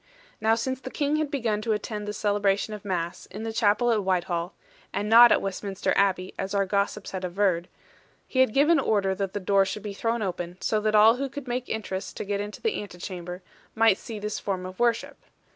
Now since the King had begun to attend the celebration of mass, in the chapel at Whitehall and not at Westminster Abbey, as our gossips had averred he had given order that the doors should be thrown open, so that all who could make interest to get into the antechamber, might see this form of worship.